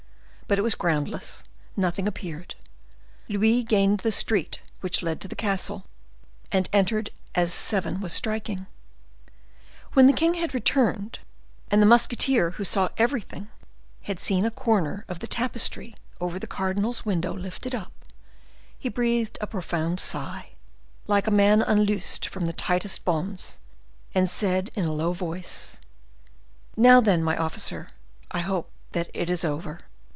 But it was groundless, nothing appeared. Louis gained the street which led to the castle, and entered as seven was striking. When the king had returned, and the musketeer, who saw everything, had seen a corner of the tapestry over the cardinal's window lifted up, he breathed a profound sigh, like a man unloosed from the tightest bonds, and said in a low voice: "Now then, my officer, I hope that it is over."